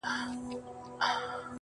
• سياسي نقد ته بيايي,